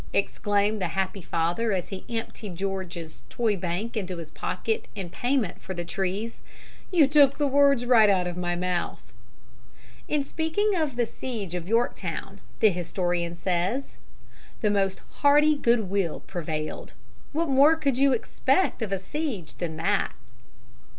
exclaimed the happy father as he emptied George's toy bank into his pocket in payment for the trees. "You took the words right out of my mouth." [Illustration: GEORGE'S FATHER TAKING PAY FOR THE CHERRY TREES.] In speaking of the siege of Yorktown, the historian says, "The most hearty good will prevailed." What more could you expect of a siege than that?